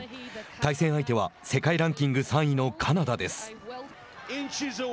対戦相手は世界ランキング３位のカナダです。